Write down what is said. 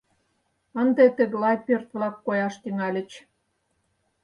Ынде тыглай пӧрт-влак кояш тӱҥальыч.